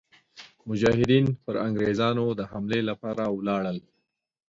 مجاهدین پر انګرېزانو د حملې لپاره ولاړل.